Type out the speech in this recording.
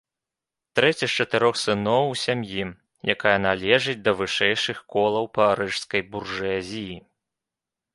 Трэці з чатырох сыноў у сям'і, якая належыць да вышэйшых колаў парыжскай буржуазіі.